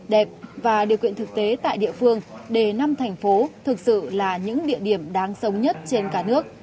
đẹp và điều kiện thực tế tại địa phương để năm thành phố thực sự là những địa điểm đáng sống nhất trên cả nước